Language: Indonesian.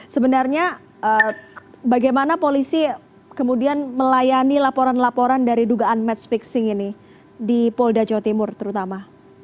sebenarnya bagaimana polisi kemudian melayani laporan laporan dari dugaan match fixing ini di polda jawa timur terutama